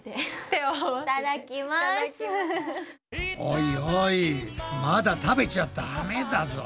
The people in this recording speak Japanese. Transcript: おいおいまだ食べちゃダメだぞ。